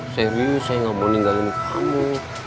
serius saya nggak mau ninggalin kamu